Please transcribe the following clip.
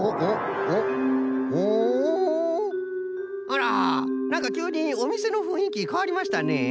あらなんかきゅうにおみせのふんいきかわりましたね。